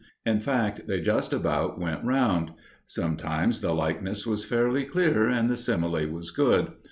In fact, they just about went round. Sometimes the likeness was fairly clear and the simile was good.